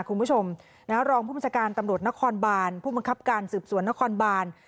คุณผู้ชมรองผู้บัญชาการตำรวจนครบานผู้บังคับการสืบสวนนครบาน